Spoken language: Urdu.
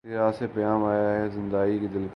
کس رہ سے پیام آیا ہے زندانئ دل کا